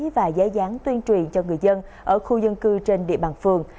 và giấy gián tuyên truyền cho người dân ở khu dân cư trên địa bàn phường